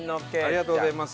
ありがとうございます。